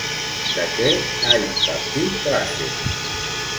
De què ha impartit classes?